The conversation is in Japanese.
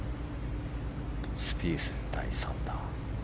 スピース、第３打。